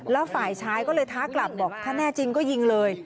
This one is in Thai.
แล้วฝ่ายชายก็เลยท้ากลับบอกถ้าแน่จริงก็ยิงเลย